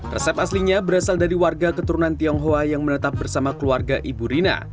resep aslinya berasal dari warga keturunan tionghoa yang menetap bersama keluarga ibu rina